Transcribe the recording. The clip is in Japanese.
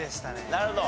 なるほど。